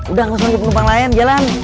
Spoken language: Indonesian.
udah langsung ke penumpang lain jalan